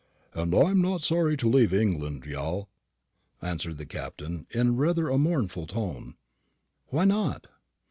"And I am not sorry to leave England, Yal," answered the Captain, in rather a mournful tone. "Why not?"